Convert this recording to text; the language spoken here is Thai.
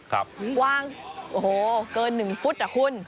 กว้างโอ้โหเกิน๑ฟุตอ่ะคุณ